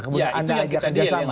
kemudian anda ajak kerjasama